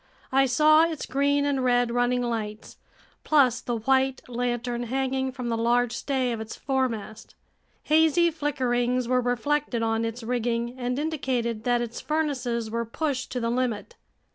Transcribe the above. I saw its green and red running lights, plus the white lantern hanging from the large stay of its foremast. Hazy flickerings were reflected on its rigging and indicated that its furnaces were pushed to the limit.